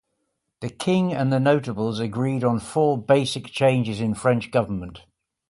The king and the notables agreed on four basic changes in French government.